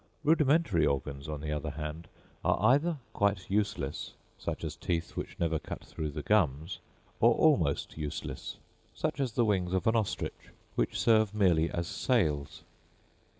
Rudimentary organs, on the other hand, are either quite useless, such as teeth which never cut through the gums, or almost useless, such as the wings of an ostrich, which serve merely as sails.